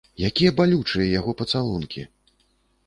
Якія балючыя яго пацалункі!